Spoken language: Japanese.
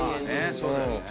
そうだよね。